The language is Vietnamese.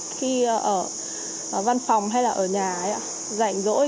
khi ở văn phòng hay là ở nhà giảnh rỗi